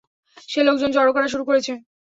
সে লোকজন জড়ো করা শুরু করেছে।